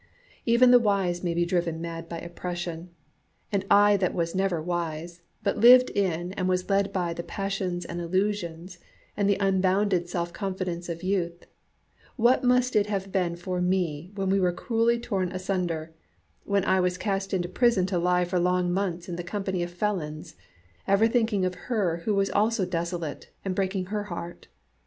Even the wise may be driven mad by oppression, and I that was never wise, but lived in and was led by the passions and illusions and the unbounded self confidence of youth, what must it have been for me when we were cruelly torn asunder; when I was cast into prison to lie for long months in the company of felons, ever thinking of her who was also desolate and breaking her heart!